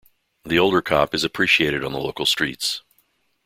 The older cop is appreciated on the local streets.